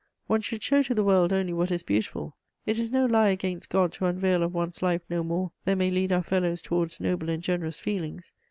One should show to the world only what is beautiful; it is no lie against God to unveil of one's life no more than may lead our fellows towards noble and generous feelings.